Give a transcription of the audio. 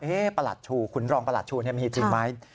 เอ๊ะประหลัดฉู่ขุนรองประหลัดฉู่มีจริงไหม